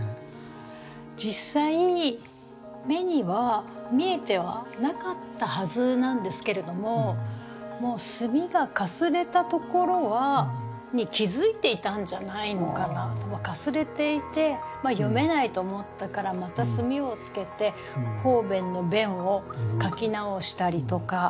実際目には見えてはなかったはずなんですけれどももう墨がかすれたところは気付いていたんじゃないのかなとかかすれていて読めないと思ったからまた墨をつけて方便の「便」を書き直したりとか。